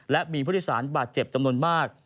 และมีพฤษศาลบาดเจ็บจำนวนมาก